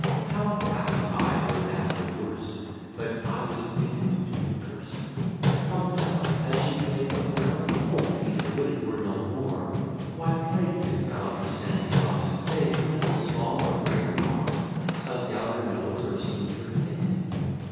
How happy I, were that the worst! But I was fated to be curst! Come, tell us, has she play'd the whore? O Peter, would it were no more! Why, plague confound her sandy locks! Say, has the small or greater pox Sunk down her nose, or seam'd her face?